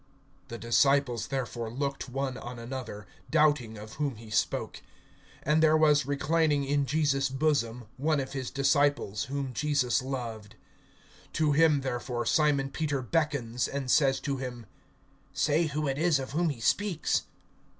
(22)The disciples therefore looked one on another, doubting of whom he spoke. (23)And there was reclining in Jesus' bosom one of his disciples, whom Jesus loved. (24)To him therefore Simon Peter beckons, and says to him: Say who it is of whom he speaks.